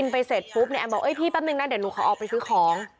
ไปเสร็จปุ๊บนายแอมบอกเอ้ยพี่แป๊บนึงนะเดี๋ยวหนูขอออกไปซื้อของ